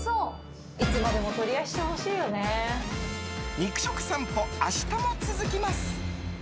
肉食さんぽ、明日も続きます。